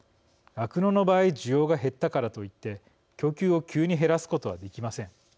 酪農の場合需要が減ったからといって供給を急に減らすことはできません。